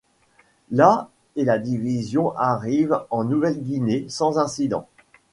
La et la divisions arrivent en Nouvelle-Guinée sans incidents.